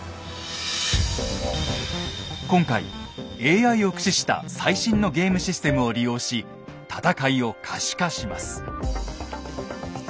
今回ＡＩを駆使した最新のゲームシステムを利用し戦いを可視化します。